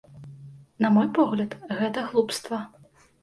На мой погляд, гэта глупства.